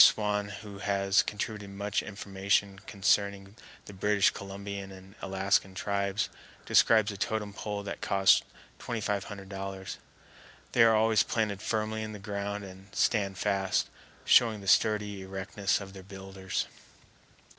Swan, who has contributed much information concerning the British Columbian and Alaskan tribes, describes a totem pole that cost $2500. They are always planted firmly in the ground and stand fast, showing the sturdy erectness of their builders.